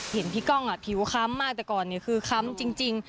เห็นพี่ก้องผิวค้ำมากแต่ก่อนคือค้ำจริง